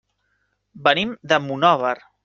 Venim de Monòver.